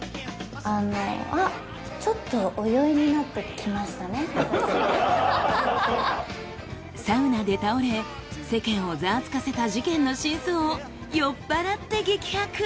今回の飲み仲間はサウナで倒れ世間をざわつかせた事件の真相を酔っぱらって激白！